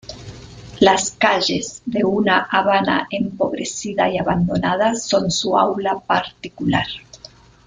Las calles de una Habana empobrecida y abandonada son su aula particular.